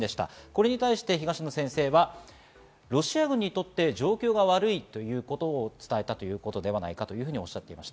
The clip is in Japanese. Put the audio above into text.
これに対して東野先生はロシア軍にとって状況が悪いということを伝えたということではないかというふうにおっしゃっていま